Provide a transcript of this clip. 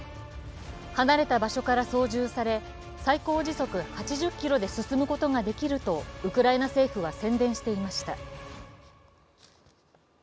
離れた場所から操縦され最高時速８０キロで進むことができるとウクライナ政府は宣伝していました。